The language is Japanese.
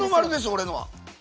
俺のは。